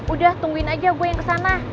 udah tungguin aja gue yang kesana